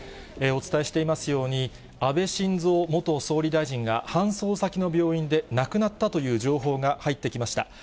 お伝えしていますように、安倍晋三元総理大臣が、搬送先の病院で亡くなったという情報が入ってきました。